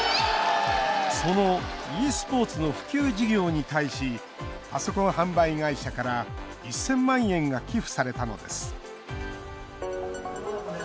そのｅスポーツの普及事業に対しパソコン販売会社から１０００万円が寄付されたのです。